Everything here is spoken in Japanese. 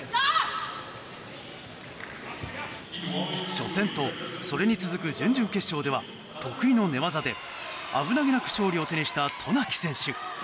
初戦と、それに続く準々決勝では得意の寝技で危なげなく勝利を手にした渡名喜選手。